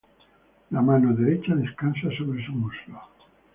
La mano derecha descansa sobre su muslo.